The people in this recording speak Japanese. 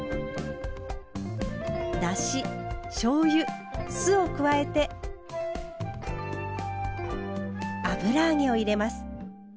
だし・しょうゆ・酢を加えて油揚げを入れます。